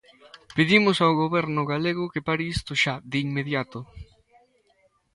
Pedimos ao Goberno galego que pare isto xa, de inmediato.